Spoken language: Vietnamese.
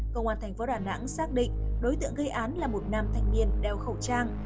công an tp đà nẵng xác định đối tượng gây án là một nam thanh niên đeo khẩu trang